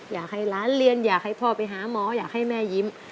อยากให้หลานเรียนอยากให้พ่อไปหาหมออยากให้แม่ยิ้ม